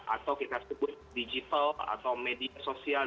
atau kita sebut digital atau media sosial